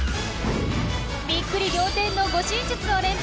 びっくり仰天の護身術を連発！